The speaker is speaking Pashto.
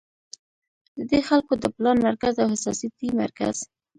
د دې خلکو د پلان مرکز او احساساتي مرکز